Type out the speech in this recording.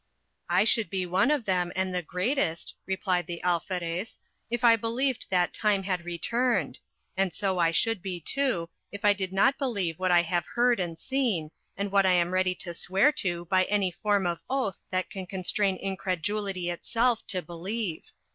I should be one of them, and the greatest, replied the Alferez, if I believed that time had returned; and so I should be, too, if I did not believe what I have heard and seen, and what I am ready to swear to by any form of oath that can constrain incredulity itself to believe.